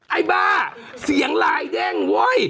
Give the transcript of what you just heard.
ไอ้บ้าเสียงลายเด้งเว้ย